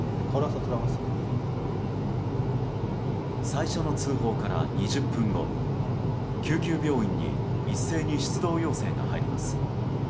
最初の通報から２０分後救急病院に一斉に出動要請が入ります。